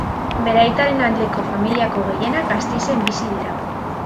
Bere aitaren aldeko familiako gehienak Gasteizen bizi dira.